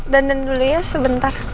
dandan dulu ya sebentar